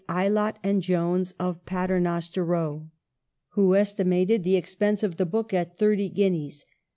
Aylott & Jones, of Paternoster Row, who estimated the expense of the book at thirty guineas.